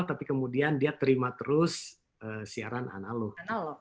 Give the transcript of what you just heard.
tapi kemudian dia terima terus siaran analog